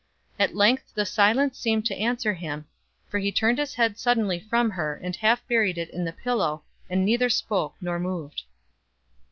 At length the silence seemed to answer him; for he turned his head suddenly from her, and half buried it in the pillow, and neither spoke nor moved.